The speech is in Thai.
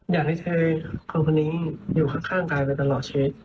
อยากให้ใช้คนคนนี้อยู่ข้างกายไปตลอดชีวิต